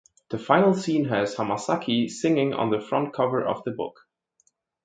The final scene has Hamasaki singing on the front cover of the book.